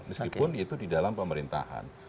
meskipun itu di dalam pemerintahan